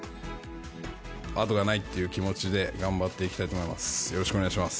あとがないっていう気持ちで頑張っていきたいと思います。